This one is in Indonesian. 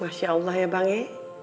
masyaallah ya dia